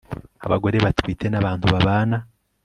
abagore batwite n'abantu babana